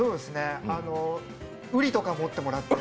瓜とか持ってもらって。